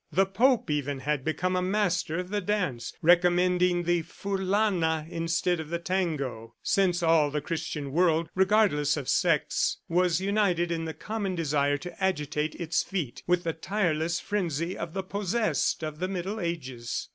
The Pope even had to become a master of the dance, recommending the "Furlana" instead of the "Tango," since all the Christian world, regardless of sects, was united in the common desire to agitate its feet with the tireless frenzy of the "possessed" of the Middle Ages.